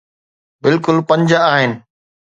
بلڪل پنج آهن